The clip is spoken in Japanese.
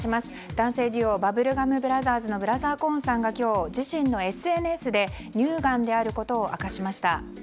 男性デュオバブルガム・ブラザーズのブラザー・コーンさんが今日、自身のＳＮＳで乳がんであることを明かしました。